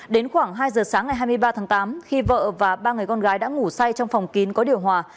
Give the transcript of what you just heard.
đến khoảng hai giờ sáng ngày hai mươi ba tháng tám khi vợ và ba người con gái đã ngủ say trong phòng kín có điều hòa